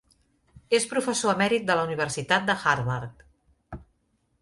És professor emèrit de la Universitat de Harvard.